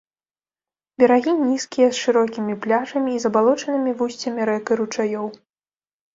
Берагі нізкія з шырокімі пляжамі і забалочанымі вусцямі рэк і ручаёў.